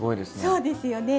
そうですよね。